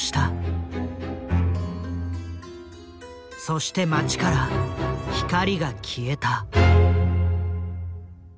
そして町から光が消えた。